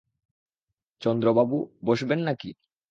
চন্দ্রবাবু, বসবেন না কি?